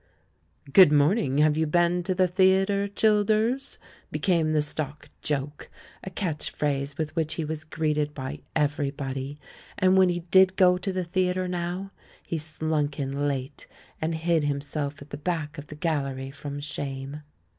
"Good morning; have you been to the theatre, Childers?" became the stock joke, a catch phrase with which he was greeted by everybody; and when he did go to the theatre now, he slunk in late, and hid himself at the back of the gallery from shame.